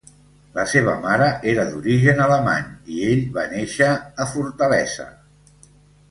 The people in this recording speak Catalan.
La seva mare era d'origen alemany i ell va néixer a Fortaleza.